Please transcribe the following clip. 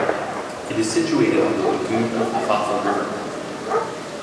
It is situated on the lagoon of the Fafa River mouth.